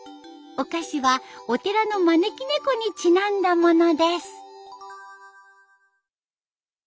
お菓子はお寺の招き猫にちなんだものです。